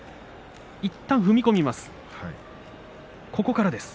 いったん踏み込みます。